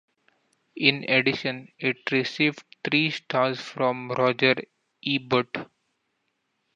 In addition, it received three stars from Roger Ebert.